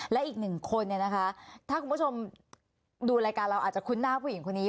และอีกหนึ่งคนเนี่ยนะคะถ้าคุณผู้ชมดูรายการเราอาจจะคุ้นหน้าผู้หญิงคนนี้